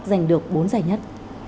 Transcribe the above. lục bốn giải nhất